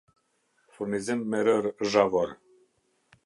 Furnizim me rërë zhavor